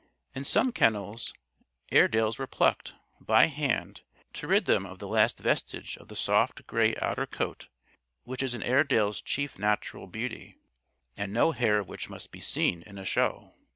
In some kennels Airedales were "plucked," by hand, to rid them of the last vestige of the soft gray outer coat which is an Airedale's chief natural beauty and no hair of which must be seen in a show.